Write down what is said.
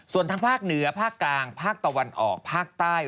ส่วนทางภาคเหนือภาคกลางภาคตะวันออกภาคใต้